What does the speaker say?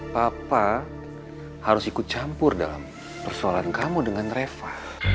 papa harus ikut campur dalam persoalan kamu dengan reva